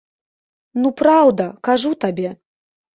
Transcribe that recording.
Ну, праўда, кажу табе.